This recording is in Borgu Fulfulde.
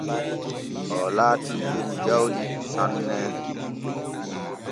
Oo laatii jom jawdi sanne.